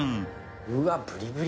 うわ、ブリブリ。